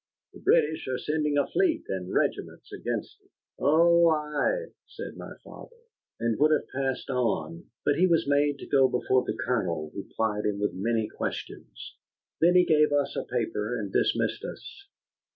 "The British are sending a fleet and regiments against it." "Oh, aye," said my father, and would have passed on. But he was made to go before the Colonel, who plied him with many questions. Then he gave us a paper and dismissed us.